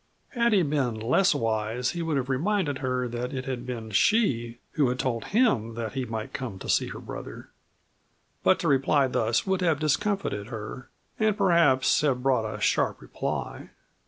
Had he been less wise he would have reminded her that it had been she who had told him that he might come to see her brother. But to reply thus would have discomfited her and perhaps have brought a sharp reply.